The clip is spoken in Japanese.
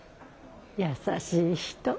優しい人。